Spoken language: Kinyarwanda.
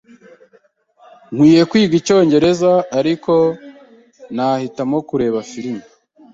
Nkwiye kwiga icyongereza, ariko nahitamo kureba firime.